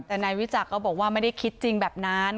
แต่นายวิจักรก็บอกว่าไม่ได้คิดจริงแบบนั้น